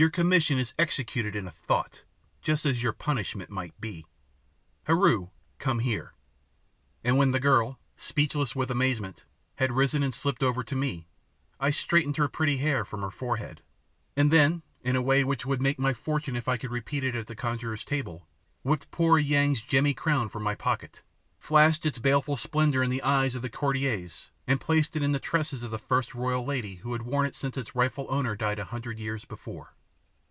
your commission is executed in a thought, just as your punishment might be. Heru, come here." And when the girl, speechless with amazement, had risen and slipped over to me, I straightened her pretty hair from her forehead, and then, in a way which would make my fortune if I could repeat it at a conjuror's table, whipped poor Yang's gemmy crown from my pocket, flashed its baleful splendour in the eyes of the courtiers, and placed it on the tresses of the first royal lady who had worn it since its rightful owner died a hundred years before.